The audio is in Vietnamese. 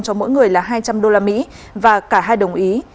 cho mỗi người là hai trăm linh usd và cả hai đồng ý